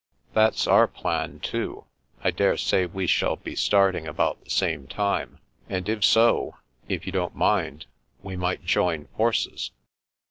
"That's our plan, too. I dare say we shall be starting about the same time, and if so, if you don't mind, we might join forces."